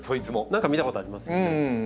何か見たことありますよね。